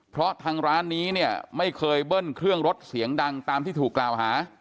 เพราะทางร้านนี้เนี่ยไม่เคยเบิ้ลเครื่องรถเสียงดังตามที่ถูกกล่าวหา